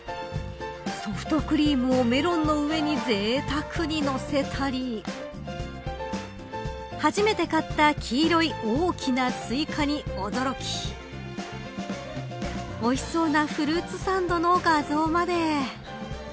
ソフトクリームをメロンの上にぜいたくにのせたり初めて買った黄色い大きなスイカに驚きおいしそうなフルーツサンドの画像まで。